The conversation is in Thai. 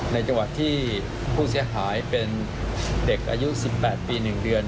ในจังหวัดที่ผู้เสียหายเป็นเด็กอายุ๑๘ปี๑เดือน